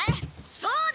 そうだ！